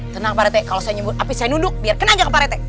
tenang parete kalau saya nyumbur api saya nunduk biar kena aja ke parete